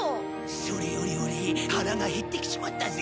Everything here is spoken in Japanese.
それよりオレ腹が減ってきちまったぜ。